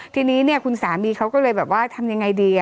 ทีนี้เนี่ยคุณสามีเขาก็เลยแบบว่าทำยังไงดี